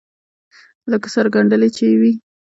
لکه سره گنډلې چې وي.